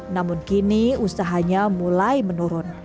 namun kini usahanya mulai menurun